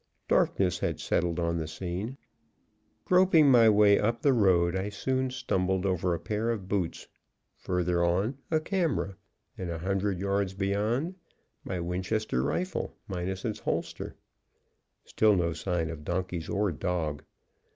Darkness had settled on the scene. Groping my way up the road, I soon stumbled over a pair of boots, further on a camera, and a hundred yards beyond my Winchester rifle, minus its holster. Still no sign of donkeys or dog.